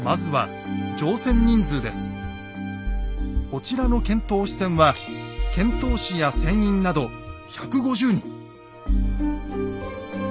こちらの遣唐使船は遣唐使や船員など１５０人。